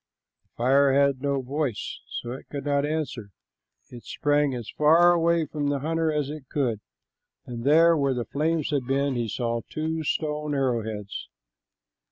The fire had no voice, so it could not answer, but it sprang as far away from the hunter as it could, and there where the flames had been he saw two stone arrowheads.